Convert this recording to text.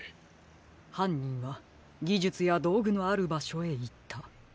はんにんはぎじゅつやどうぐのあるばしょへいった。